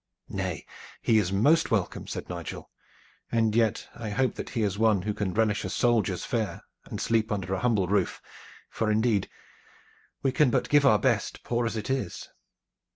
"Nay, he is most welcome," said Nigel, "and yet I hope that he is one who can relish a soldier's fare and sleep under a humble roof, for indeed we can but give our best, poor as it is."